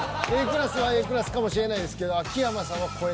ＡクラスはＡクラスかもしれないですけど。